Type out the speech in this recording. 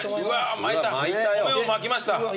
米を巻きました。